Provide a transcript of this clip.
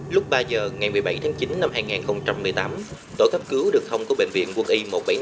lúc ba giờ ngày một mươi bảy tháng chín năm hai nghìn một mươi tám tổ cấp cứu được không của bệnh viện quân y một trăm bảy mươi năm